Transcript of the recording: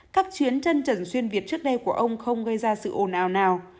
các chuyến chân trần xuyên việt trước đây của ông không gây ra sự ồn ào nào